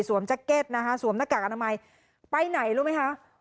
แจ็คเก็ตนะคะสวมหน้ากากอนามัยไปไหนรู้ไหมคะ